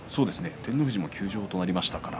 照ノ富士も休場となりましたから